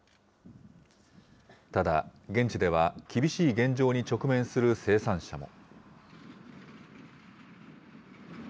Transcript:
ただ、現地では厳しい現状に直面する生産者も。